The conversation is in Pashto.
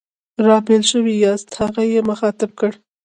را بېل شوي یاست؟ هغه یې مخاطب کړ.